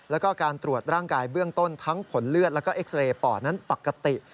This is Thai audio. แล้วก็การตรวจร่างกายเบื้องต้นทั้งผลเลือดแล้วก็เอ็กซาเรย์ปอดนั้นปกติ